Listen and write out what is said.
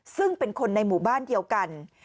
ซึ่งเป็นคนในหมู่บ้านเดียวกัน